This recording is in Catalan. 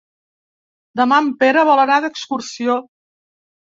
Demà en Pere vol anar d'excursió.